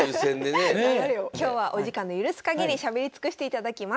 今日はお時間の許すかぎりしゃべり尽くしていただきます。